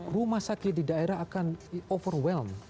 rumah sakit di daerah akan di overwhelm